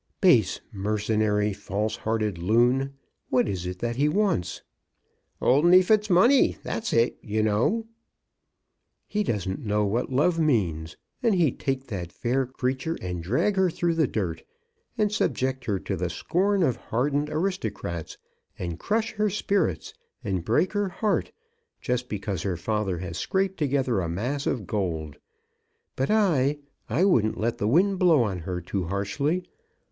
"Base, mercenary, false hearted loon! What is it that he wants?" "Old Neefit's money. That's it, you know." "He doesn't know what love means, and he'd take that fair creature, and drag her through the dirt, and subject her to the scorn of hardened aristocrats, and crush her spirits, and break her heart, just because her father has scraped together a mass of gold. But I, I wouldn't let the wind blow on her too harshly.